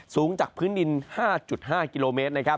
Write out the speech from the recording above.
สูงจากพื้นดิน๕๕กิโลเมตร